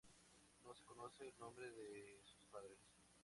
No se conoce el nombre de sus padres.